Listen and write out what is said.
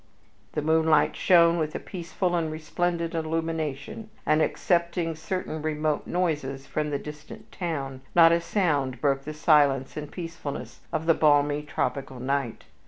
The moonlight shone with a peaceful and resplendent illumination, and, excepting certain remote noises from the distant town, not a sound broke the silence and the peacefulness of the balmy, tropical night.